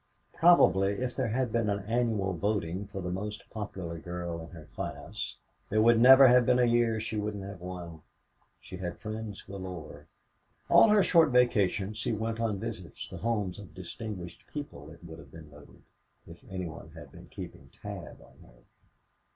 Probably if there had been annual voting for the most popular girl in her class, there would never have been a year she wouldn't have won. She had friends galore. All her short vacations she went on visits the homes of distinguished people, it would have been noted, if anybody had been keeping tab on her.